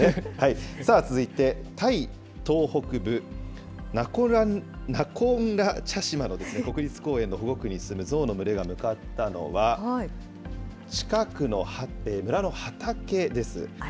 続いてタイ東北部ナコンラチャシマの国立公園の保護区に住むゾウの群れが向かったのは、近くの村の畑です。